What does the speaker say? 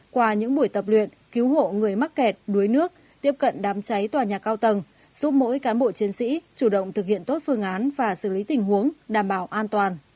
qua những buổi tập luyện cứu hộ người mắc kẹt đuối nước tiếp cận đám cháy tòa nhà cao tầng giúp mỗi cán bộ chiến sĩ chủ động thực hiện tốt phương án và xử lý tình huống đảm bảo an toàn